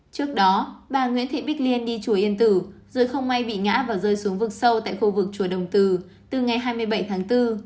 trước đó bà nguyễn thị bích liên đi chùa yên tử rồi không may bị ngã và rơi xuống vực sâu tại khu vực chùa đồng từ từ ngày hai mươi bảy tháng bốn